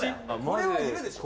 これはいるでしょ